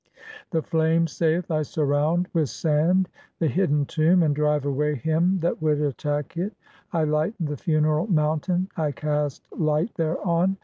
V. The flame saith :— (1) "I surround with sand the hidden "tomb, (2) and drive away him that would attack it. I lighten "the funeral mountain, I cast light (3) thereon.